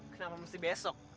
kenapa mesti besok